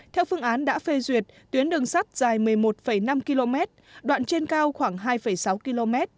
theo phương án đã phê duyệt tuyến đường sắt dài một mươi một năm km đoạn trên cao khoảng hai sáu km